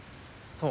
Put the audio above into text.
そう。